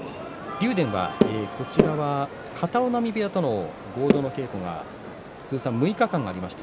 竜電は片男波部屋との合同稽古が通算６日間ありました。